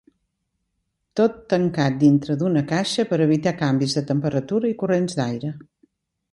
Tot tancat dintre d'una caixa per evitar canvis de temperatura i corrents d'aire.